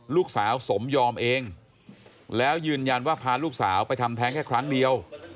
ลูกสาวสมยอมเองแล้วยืนยันว่าพาลูกสาวไปทำแท้งแค่ครั้งเดียว